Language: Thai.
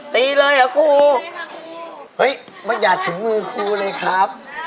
ตีเลยเหรอครูเฮ้ยมันอย่าถึงมือครูเลยครับ